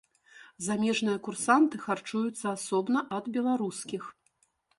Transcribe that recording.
Замежныя курсанты харчуюцца асобна ад беларускіх.